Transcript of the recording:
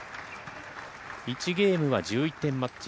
１ゲームは１１点マッチ。